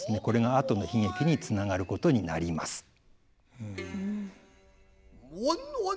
これがあとの悲劇につながることになります。